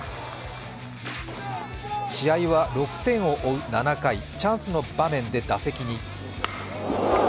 試合は６点を追う７回、チャンスの場面で打席に。